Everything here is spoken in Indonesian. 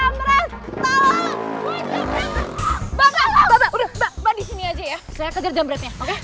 mbak mbak udah mbak disini aja ya saya kejar jamretnya oke